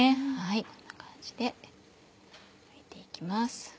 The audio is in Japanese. こんな感じでむいて行きます。